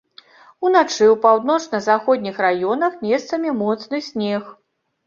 Уначы ў паўночна-заходніх раёнах месцамі моцны снег.